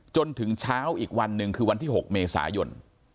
จนถึงเช้าอีกวันหนึ่งคือวันที่๖เมษายน